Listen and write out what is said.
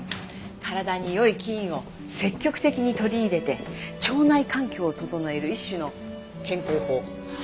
体に良い菌を積極的に取り入れて腸内環境を整える一種の健康法。